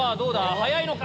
早いのか？